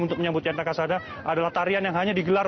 untuk menyambut yanta kasada adalah tarian yang hanya digelar